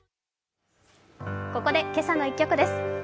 ここで「けさの１曲」です。